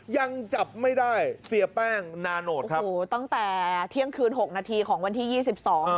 ยังจับไม่ได้เสียแป้งนาโนตครับโอ้โหตั้งแต่เที่ยงคืนหกนาทีของวันที่ยี่สิบสอง